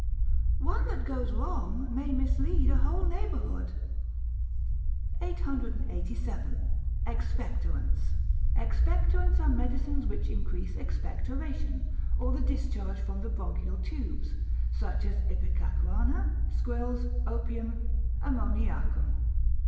[ONE THAT GOES WRONG MAY MISLEAD A WHOLE NEIGHBOURHOOD.] 887. Expectorants Expectorants are medicines which increase expectoration, or the discharge from the bronchial tubes, such as ipecacuanha, squills, opium, ammoniacum.